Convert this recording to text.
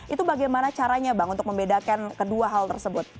itu bagaimana caranya bang untuk membedakan kedua hal tersebut